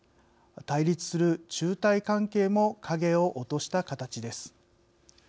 対立する中台関係も影を落とした形です。